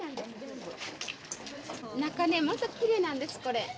中ねものすごくきれいなんですこれ。